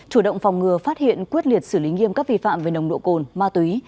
chủ động phòng ngừa phát hiện quyết liệt xử lý nghiêm các vi phạm về nồng độ cồn ma túy